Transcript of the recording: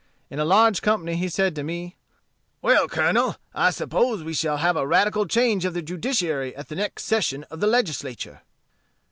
In a large company he said to me, 'Well, Colonel, I suppose we shall have a radical change of the judiciary at the next session of the Legislature.'